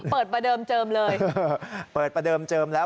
ประเดิมเจิมเลยเปิดประเดิมเจิมแล้ว